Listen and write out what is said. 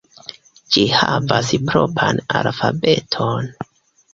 Ĝi havas propran alfabeton.